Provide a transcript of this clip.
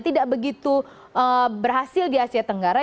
tidak begitu berhasil di asia tenggara